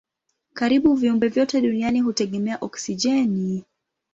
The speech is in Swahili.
Karibu viumbe vyote duniani hutegemea oksijeni.